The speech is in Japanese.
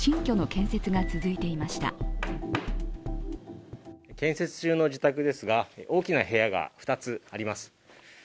建設中の自宅ですが、大きな部屋が２つあります。